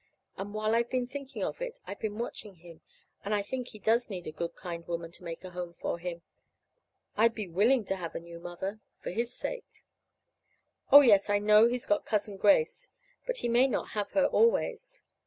And while I've been thinking of it, I've been watching him; and I think he does need a good, kind woman to make a home for him. I'd be willing to have a new mother for his sake! Oh, yes, I know he's got Cousin Grace, but he may not have her always.